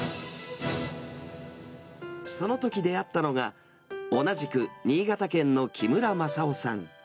そのとき出会ったのが、同じく新潟県の木村政雄さん。